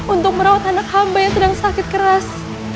untuk merawat anak hamba yang sedang sakit keras